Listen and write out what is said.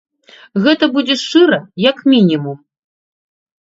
Гэта будзе шчыра, як мінімум.